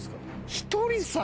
ひとりさん